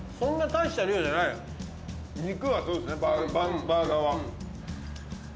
肉はそうですねバーガーは。